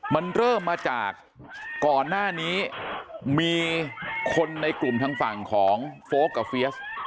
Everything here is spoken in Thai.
มันเริ่มมาจากก่อนหน้านี้มีคนในกลุ่มทางฝั่งของโฟลกกับเฟียส